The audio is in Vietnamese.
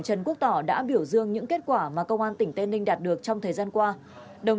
trần quốc tỏ đã biểu dương những kết quả mà công an tỉnh tây ninh đạt được trong thời gian qua